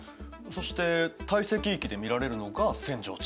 そして堆積域で見られるのが扇状地。